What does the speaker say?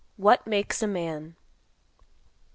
WHAT MAKES A MAN. Mr.